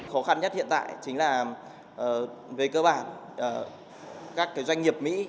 khó khăn nhất hiện tại chính là về cơ bản các doanh nghiệp mỹ